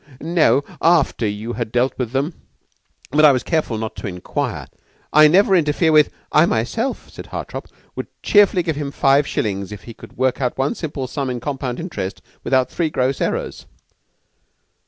"No, after you had dealt with them; but I was careful not to inquire. I never interfere with " "I myself," said Hartopp, "would cheerfully give him five shillings if he could work out one simple sum in compound interest without three gross errors."